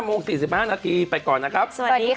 ๕โมง๔๕นาทีไปก่อนนะครับ